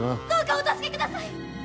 どうかお助けください！